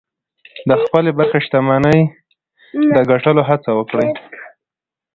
د خپلې برخې شتمني د ګټلو هڅه وکړئ.